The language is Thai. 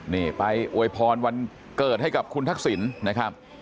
นี่ไปอวยพรวันเกิดให้กับคุณทักษิณนะครับ